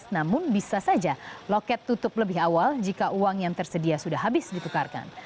namun bisa saja loket tutup lebih awal jika uang yang tersedia sudah habis ditukarkan